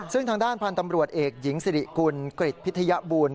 ซึ่งทางด้านพันธ์ตำรวจเอกหญิงสิริกุลกริจพิทยบูล